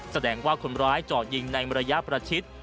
แสดงว่าคนร้ายเจาะยิงในระยะประชิด